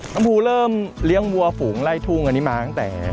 น้ำภูเริ่มเลี้ยงวัวฝูงไล่ทุ่งอันนี้มาตั้งแต่